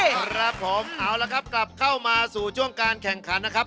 ครับผมเอาละครับกลับเข้ามาสู่ช่วงการแข่งขันนะครับ